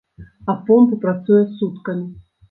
А помпа працуе суткамі.